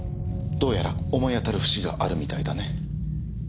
どうやら思い当たる節があるみたいだね。